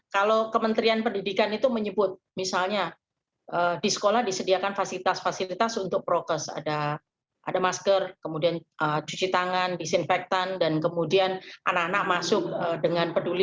kalau kementerian pendidikan itu menyebut misalnya di sekolah disediakan fasilitas fasilitas untuk prokes ada masker kemudian cuci tangan disinfektan dan kemudian anak anak masuk dengan peduli